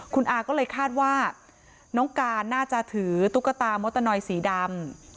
คุณอาก็เลยคาดว่าน้องการน่าจะถือตุ๊กตามดตานอยสีดำ